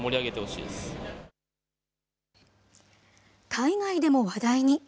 海外でも話題に。